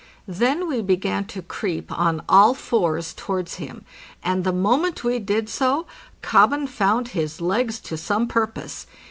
Then we began to creep on all fours towards him; and the moment we did so, '" Kobben"' found his legs to some purpose.